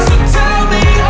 aku mau ngeliatin apaan